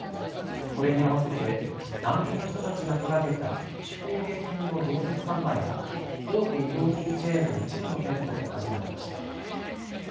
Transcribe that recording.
これに合わせて難民の人たちが手がけた手工芸品の常設販売が大手衣料品チェーンの一部の店舗で始まりました。